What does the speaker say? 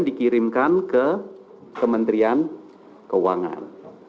dikirimkan ke kementerian keuangan